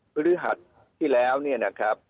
พฤหัสที่แล้วนะครับ